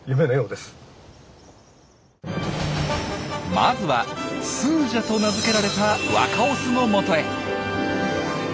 まずはスージャと名付けられた若オスのもとへ。